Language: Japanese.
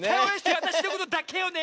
あたしのことだけをね！